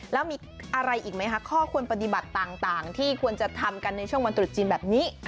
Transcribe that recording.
แล้วมีอะไรอีกไหมคะข้อควรปฏิบัติต่างที่ควรจะทำกันในช่วงวันตรุษจีนแบบนี้